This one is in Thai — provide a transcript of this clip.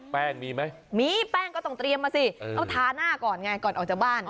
แป้งมีไหมมีแป้งก็ต้องเตรียมมาสิเอาทาหน้าก่อนไงก่อนออกจากบ้าน